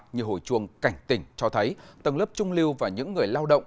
như hồi chuông cảnh tỉnh cho thấy tầng lớp trung lưu và những người lao động